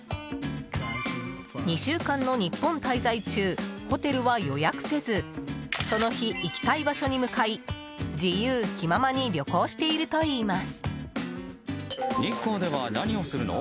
２週間の日本滞在中ホテルは予約せずその日、行きたい場所に向かい自由気ままに旅行しているといいます。